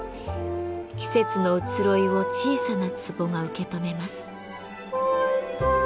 季節の移ろいを小さな壺が受け止めます。